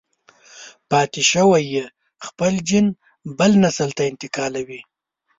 پاتې شوی يې خپل جېن بل نسل ته انتقالوي.